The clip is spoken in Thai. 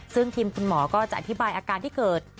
ซึ่งทีมคุณหมอก็จะอธิบายอาการที่เกิด